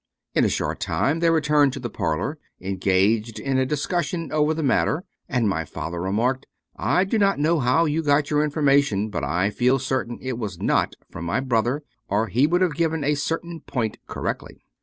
In a short time they returned to the parlor, engaged in a discussion over the matter; and my father remarked, " I do not know how you got your in formation, but I feel certain it was not from my brother, or he would have given a certain point correctly."